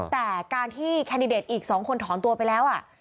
แต่การที่แคนดิเดตอีก๒คนถอนตัวไปแล้ว